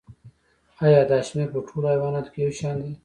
ایا دا شمیر په ټولو حیواناتو کې یو شان دی